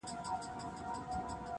ماته په اورغوي کي ازل موجونه کښلي وه-